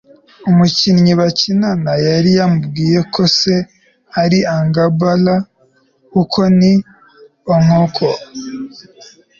umukinyi bakinana yari yamubwiye ko se ari agbala. uku niko okonkwo